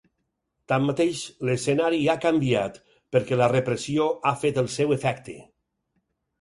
Tanmateix, l’escenari ha canviat perquè la repressió ha fet el seu efecte.